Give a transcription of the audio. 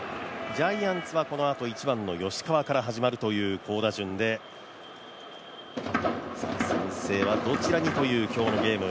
ジャイアンツはこのあと１番の吉川から始まるという好打順で、先制はどちらにという今日のゲーム。